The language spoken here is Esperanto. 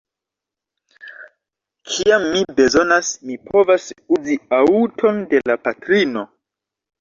Kiam mi bezonas, mi povas uzi aŭton de la patrino.